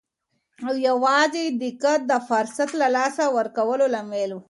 او یوازې دقت د فرصت له لاسه ورکولو لامل.